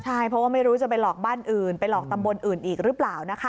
ใช่เพราะว่าไม่รู้จะไปหลอกบ้านอื่นไปหลอกตำบลอื่นอีกหรือเปล่านะคะ